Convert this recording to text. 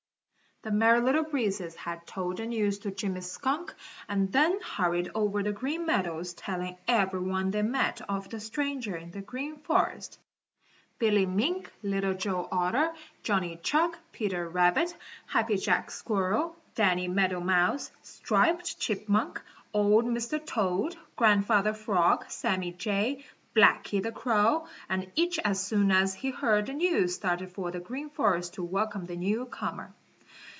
The Merry Little Breezes had told the news to Jimmy Skunk and then hurried over the Green Meadows telling every one they met of the stranger in the Green Forest Billy Mink, Little Joe Otter, Johnny Chuck, Peter Rabbit, Happy Jack Squirrel, Danny Meadow Mouse, Striped Chipmunk, old Mr. Toad, Grandfather Frog, Sammy Jay, Blacky the Crow, and each as soon as he heard the news started for the Green Forest to welcome the newcomer.